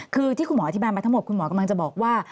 คือที่คุณหมออธิบายมาทั้งหมดคุณหมอกำลังจะบอกว่า